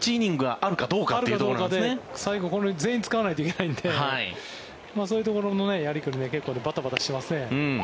あるかどうかで最後、全員使わないといけないのでそういうところのやりくり結構バタバタしますね。